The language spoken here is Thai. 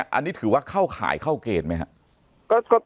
อันนี้ถือว่าเข้าข่ายเข้าเกณฑ์ไหมครับ